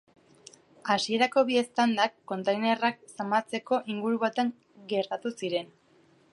Hasierako bi eztandak kontainerrak zamatzeko inguru batean gertatu ziren.